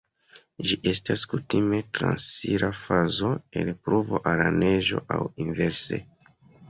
Ĝi estas kutime transira fazo el pluvo al neĝo aŭ inverse.